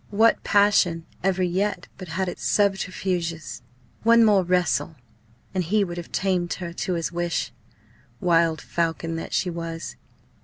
What passion ever yet but had its subterfuges? One more wrestle, and he would have tamed her to his wish, wild falcon that she was.